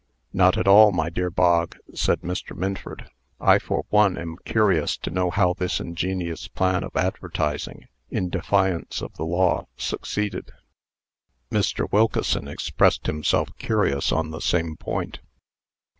"Not at all, my dear Bog," said Mr. Minford. "I, for one, am curious to know how this ingenious plan of advertising, in defiance of the law, succeeded." Mr. Wilkeson expressed himself curious on the same point.